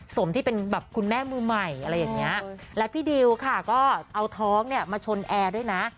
สมที่เป็นแบบคุณแม่มือใหม่อะไรอย่างเงี้ยและพี่ดิวค่ะก็เอาท้องเนี่ยมาชนแอร์ด้วยนะ